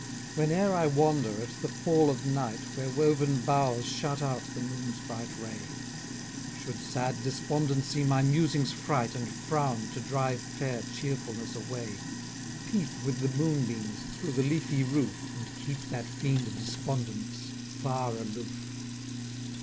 Whene'er I wander, at the fall of night, Where woven boughs shut out the moon's bright ray, Should sad Despondency my musings fright, And frown, to drive fair Cheerfulness away, Peep with the moon beams through the leafy roof, And keep that fiend Despondence far aloof.